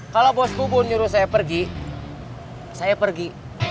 kalau bos gubu nyuruh saya pergi saya pergi